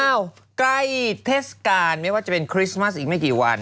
ใกล้เทศกาลไม่ว่าจะเป็นคริสต์มัสอีกไม่กี่วัน